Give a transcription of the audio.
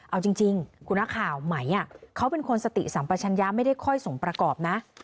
เอาจริงคุณนักข่าวไหมเขาเป็นคนสติสัมปชัญญาไม่ได้ค่อยสมประกอบนะ